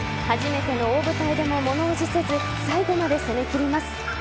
初めての大舞台でも物おじせず最後まで攻め切ります。